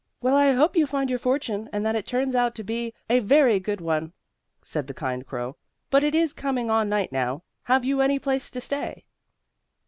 "Well, I hope you find your fortune and that it turns out to be a very good one," said the kind crow. "But it is coming on night now. Have you any place to stay?"